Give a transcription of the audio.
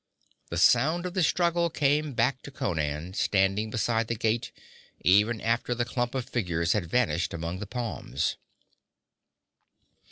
The sounds of the struggle came back to Conan, standing beside the gate, even after the clump of figures had vanished among the palms.